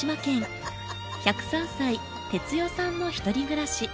１０３歳哲代さんのひとり暮らし。